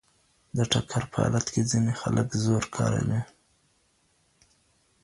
د ټکر په حالت کي ځيني خلک زور کاروي.